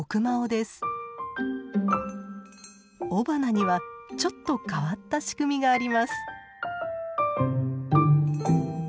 雄花にはちょっと変わった仕組みがあります。